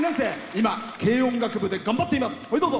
今、軽音楽部で頑張っています。